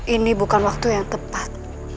ini bukan waktu yang tepat